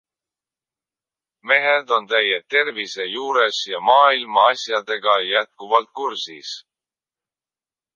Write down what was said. Mehed on täie tervise juures ja maailma asjadega jätkuvalt kursis.